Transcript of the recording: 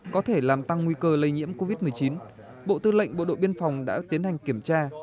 có thể làm tăng nguy cơ lây nhiễm covid một mươi chín bộ tư lệnh bộ đội biên phòng đã tiến hành kiểm tra